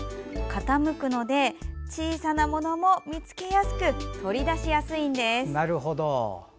傾くので小さなものも見つけやすく取り出しやすいんです。